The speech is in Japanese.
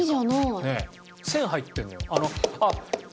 線入ってるのよ。